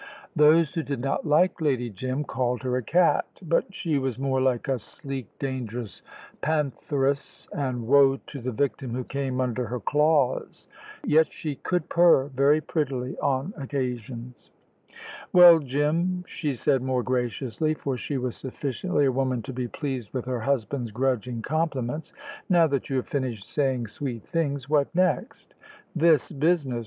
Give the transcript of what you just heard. Those who did not like Lady Jim called her a cat; but she was more like a sleek, dangerous pantheress, and woe to the victim who came under her claws. Yet she could purr very prettily on occasions. "Well, Jim," she said more graciously, for she was sufficiently a woman to be pleased with her husband's grudging compliments. "Now that you have finished saying sweet things, what next?" "This business.